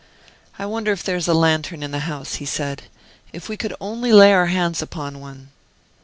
"I wonder if there is a lantern in the house," he said. "If we could only lay our hands upon one!"